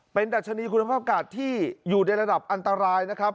เป็นดัชนีคุณภาพอากาศที่อยู่ในระดับอันตรายนะครับ